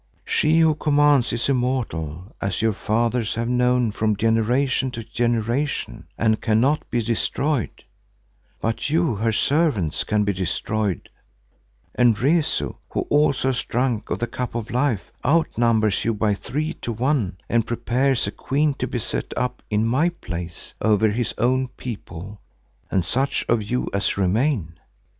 She who commands is immortal, as your fathers have known from generation to generation, and cannot be destroyed; but you, her servants, can be destroyed, and Rezu, who also has drunk of the Cup of Life, out numbers you by three to one and prepares a queen to set up in my place over his own people and such of you as remain.